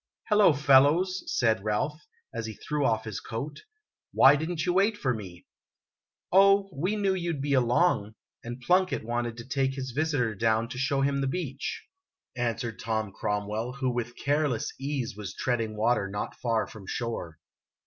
"Hello, fellows," said Ralph, as he threw off his coat, "why did n't you wait for me ?"" Oh, we knew you 'd be along; and Plunkett wanted to take his visitor down to show him the beach," answered Tom Cromwell, who with careless ease was treading water not far from shore.